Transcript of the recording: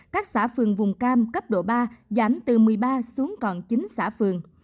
các xã phường vùng cam cấp độ ba giảm từ một mươi ba xuống còn chín xã phường